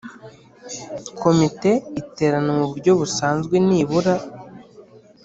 Komite iterana mu buryo busanzwe nibura